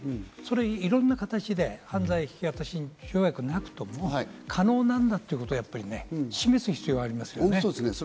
いろんな形で犯罪引き渡し条約がなくとも可能なんだということを示す必要がありますね。